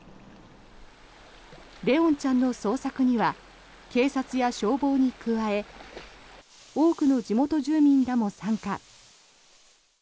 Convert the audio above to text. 怜音ちゃんの捜索には警察や消防に加え多くの地元住民らも参加。